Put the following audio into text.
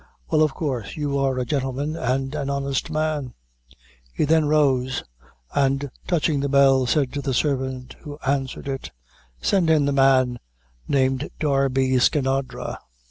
Well, of course, you are a gentleman and an honest man." He then rose, and touching the bell, said to the servant who answered it: "Send in the man named Darby Skinadre."